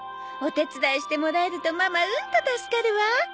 お手伝いしてもらえるとママうんと助かるわ。